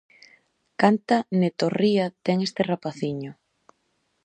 Canta netorría ten este rapaciño.